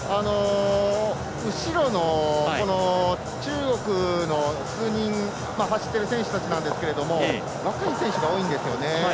後ろの中国の数人走ってる選手たちなんですけど若い選手が多いんですよね。